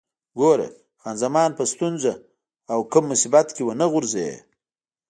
ګوره، خان زمان په ستونزو او کوم مصیبت کې ونه غورځوې.